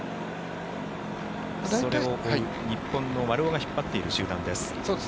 日本の丸尾が引っ張っている集団です。